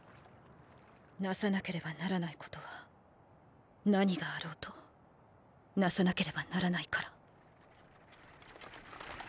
なさなければならないことは何があろうとなさなければならないから。